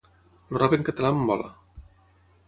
El rap en català em mola.